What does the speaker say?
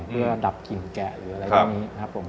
เพื่อดับกลิ่นแกะหรืออะไรแบบนี้ครับ